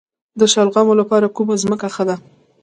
د شلغمو لپاره کومه ځمکه ښه ده؟